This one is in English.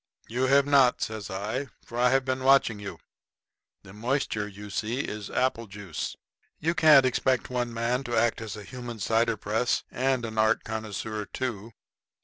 "You have not," says I, "for I've been watching you. The moisture you see is apple juice. You can't expect one man to act as a human cider press and an art connoisseur too."